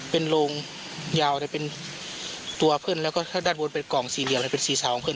เป็นโลงยาวได้เป็นตัวเพื่อนแล้วก็ด้านบนเป็นกล่องสีเดียวและเป็นศีรษะของเพื่อน